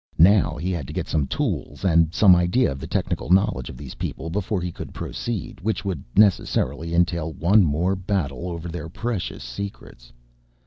Now he had to get some tools and some idea of the technical knowledge of these people before he could proceed, which would necessarily entail one more battle over their precious secrets.